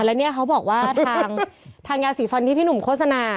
แล้วเนี่ยเขาบอกว่าทางยาสีฟันที่พี่หนุ่มโฆษณา